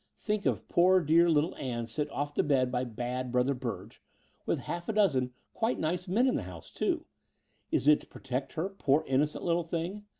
Think of poor dear little Ann sent off to bed by bad Brother Biu ge — ^with half a dozen quite nice men in the house, too ! Is it to protect her, poor innocent little thing?